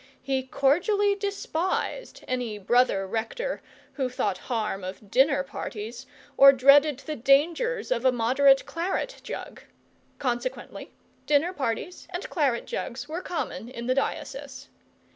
He cordially despised any brother rector who thought harm of dinner parties, or dreaded the dangers of a moderate claret jug; consequently dinner parties and claret jugs were common in the diocese.